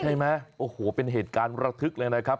ใช่ไหมโอ้โหเป็นเหตุการณ์ระทึกเลยนะครับ